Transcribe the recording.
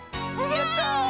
やった！